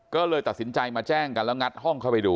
ก็เลยตัดสินใจมาแจ้งกันแล้วงัดห้องเข้าไปดู